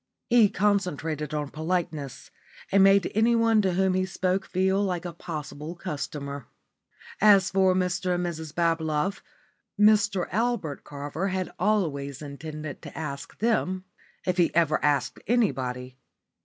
He concentrated on politeness, and made anyone to whom he spoke feel like a possible customer. As for Mr and Mrs Bablove, Mr Albert Carver had always intended to ask them, if he ever asked anybody.